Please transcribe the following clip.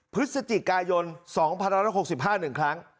พฤศจิกายน๒๑๖๕หนึ่งครั้ง